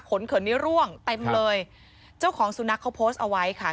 เขินนี้ร่วงเต็มเลยเจ้าของสุนัขเขาโพสต์เอาไว้ค่ะ